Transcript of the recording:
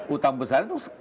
utang besar itu